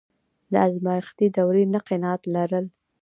د ازمایښتي دورې نه قناعت لرل.